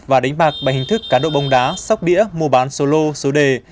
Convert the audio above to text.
và đánh bạc bằng hình thức cán đội bóng đá sóc đĩa mua bán số lô số đề